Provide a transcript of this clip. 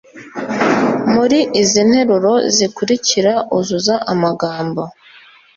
Muri izi nteruro zikurikira uzuza amagambo